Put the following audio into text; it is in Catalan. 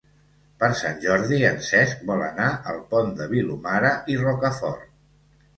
Per Sant Jordi en Cesc vol anar al Pont de Vilomara i Rocafort.